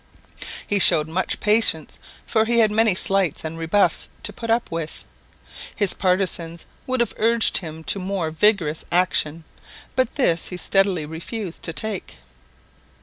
He showed much patience, for he had many slights and rebuffs to put up with. His partisans would have urged him to more vigorous action, but this he steadily refused to take.